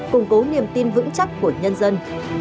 củng cố niềm tin vững chắc của nhân dân